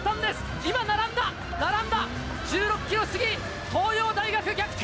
今並んだ、並んだ、１６キロ過ぎ、東洋大学、逆転！